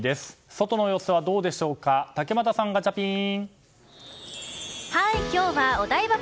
外の様子はどうでしょうか竹俣さん、ガチャピン！